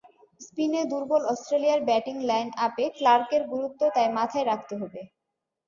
স্পিনে দুর্বল অস্ট্রেলিয়ার ব্যাটিং লাইনআপে ক্লার্কের গুরুত্ব তাই মাথায় রাখতে হবে।